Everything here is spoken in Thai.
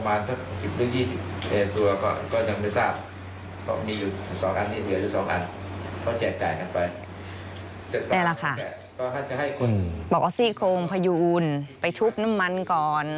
บอกว่าสี่โครงพยูนไปชุบน้ำมันก่อน